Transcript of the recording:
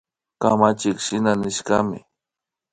Kamachiy shina nishkami